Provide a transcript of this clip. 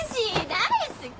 大好き！